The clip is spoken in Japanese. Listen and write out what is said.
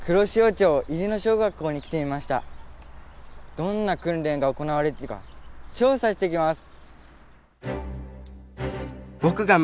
どんな訓練が行われているか調査してきます！